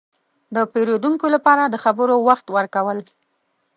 – د پېرودونکو لپاره د خبرو وخت ورکول.